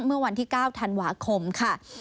เมื่อวันที่๙ธันวาคมค่ะ